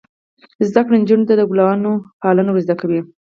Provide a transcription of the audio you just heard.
زده کړه نجونو ته د ګلانو پالنه ور زده کوي.